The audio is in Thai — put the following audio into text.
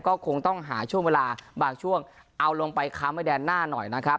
ก็คงต้องหาช่วงเวลาบางช่วงเอาลงไปค้ำไว้แดนหน้าหน่อยนะครับ